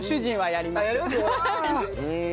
やります。